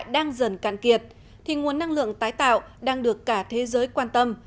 đang dần cạn kiệt thì nguồn năng lượng tái tạo đang được cả thế giới quan tâm